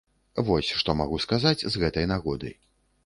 Вось што магу сказаць з гэтай нагоды.